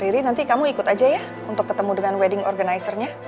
diri nanti kamu ikut aja ya untuk ketemu dengan wedding organizer nya